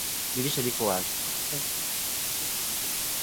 Dirisha liko wazi